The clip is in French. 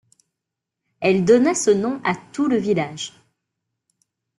Elle donna ce nom à tout le village.